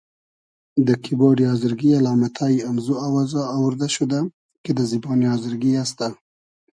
دۂ کیبۉرۮی آزرگی الامئتای امزو آوازا اووردۂ شودۂ کی دۂ زیبۉنی آزرگی است.